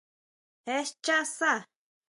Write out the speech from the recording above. Jé schá sá?